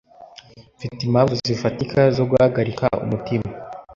mfite impamvu zifatika zo guhagarika umutima